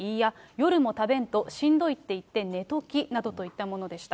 夜も食べんとしんどいって言って寝ときなどといったものでした。